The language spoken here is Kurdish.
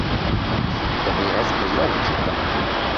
Divê ez biryarekê bidim.